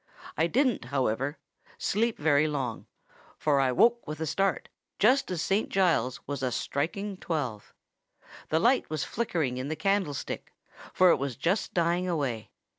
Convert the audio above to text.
I didn't, however, sleep very long; for I woke with a start just as Saint Giles's was a striking twelve. The light was flickering in the candlestick, for it was just dying away.